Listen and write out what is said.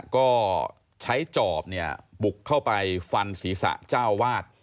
ก็ใช้จอบเนี่ยบุกเข้าไปฟันศีรษะเจ้าวาด